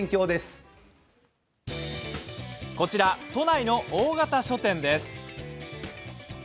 こちら都内の大型書店です。